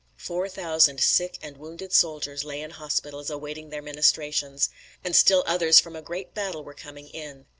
Four thousand sick and wounded soldiers lay in the hospitals awaiting their ministrations. And still others from a great battle were coming in.